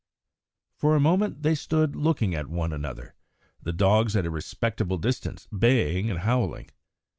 For a moment they stood looking at one another, the dogs at a respectable distance baying and howling.